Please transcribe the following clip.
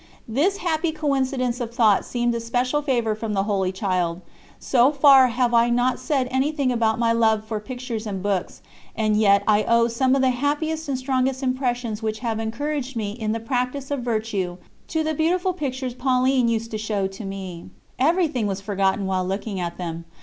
This happy coincidence of thought seemed a special favour from the Holy Child. So far I have not said anything about my love for pictures and books, and yet I owe some of the happiest and strongest impressions which have encouraged me in the practice of virtue to the beautiful pictures Pauline used to show me. Everything was forgotten while looking at them.